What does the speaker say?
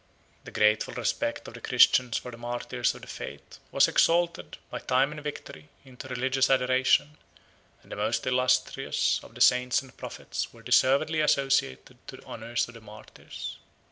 The grateful respect of the Christians for the martyrs of the faith, was exalted, by time and victory, into religious adoration; and the most illustrious of the saints and prophets were deservedly associated to the honors of the martyrs.